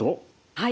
はい。